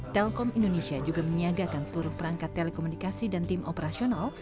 telkom indonesia juga menyiagakan seluruh perangkat telekomunikasi dan tim operasional